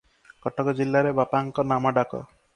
କଟକ ଜିଲ୍ଲାରେ ବାପାଙ୍କ ନାମଡାକ ।